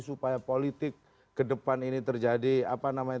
supaya politik kedepan ini terjadi apa namanya